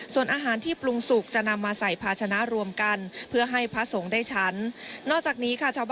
ส่วนอาหารที่ปรุงสุกจะนำมาใส่ภาชนะรวมกันเพื่อให้พระสงฆ์ได้ฉัน